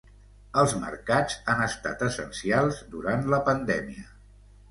Els mercats han estat essencials durant la pandèmia.